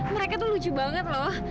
mereka tuh lucu banget loh